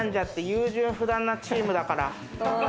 優柔不断なチームだから。